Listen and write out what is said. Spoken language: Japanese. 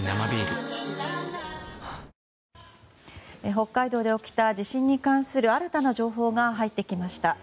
北海道で起きた地震に関する新たな情報が入ってきました。